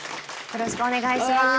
よろしくお願いします。